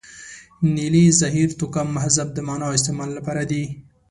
نیلې، زهیر، توکم، مهذب د معنا او استعمال لپاره دي.